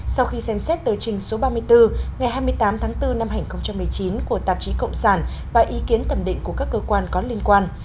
sau khi xem xét tờ trình số ba mươi bốn ngày hai mươi tám tháng bốn năm hai nghìn một mươi chín của tạp chí cộng sản và ý kiến thẩm định của các cơ quan có liên quan